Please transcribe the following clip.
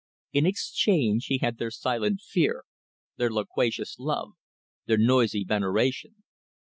In exchange he had their silent fear, their loquacious love, their noisy veneration.